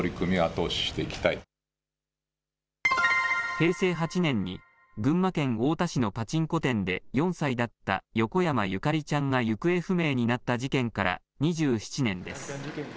平成８年に群馬県太田市のパチンコ店で４歳だった横山ゆかりちゃんが行方不明になった事件から２７年です。